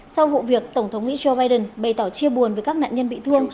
sau vụ việc tổng thống mỹ joe biden bày tỏ chia buồn với các nạn nhân bị thương